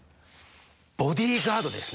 ボディガードですね。